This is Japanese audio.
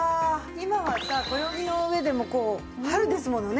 今はさ暦の上でも春ですものね。